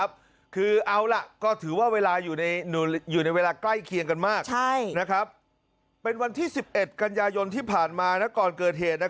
เป็นวันที่๑๑กันยายนที่ผ่านมาก่อนเกิดเหตุ